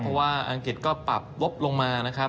เพราะว่าอังกฤษก็ปรับงบลงมานะครับ